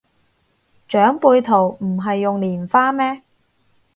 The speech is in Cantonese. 長輩圖唔係用蓮花咩